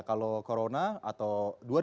kalau korona atau dua ribu sembilan belas